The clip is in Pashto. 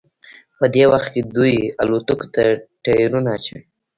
په دې وخت کې دوی الوتکو ته ټیرونه اچوي